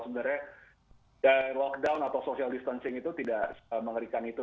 jadi lockdown atau social distancing itu tidak mengerikan itu